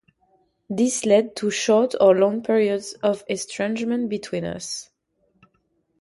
This led to short or long periods of estrangement between us.